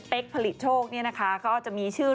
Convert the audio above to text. ผลิตโชคเนี่ยนะคะก็จะมีชื่อ